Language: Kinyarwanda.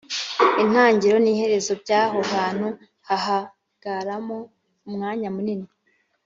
Intangiriro n iherezo by aho hantu hahagaramo umwanya munini